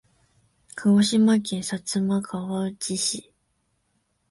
鹿児島県薩摩川内市